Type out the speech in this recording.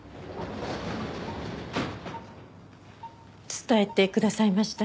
伝えてくださいました？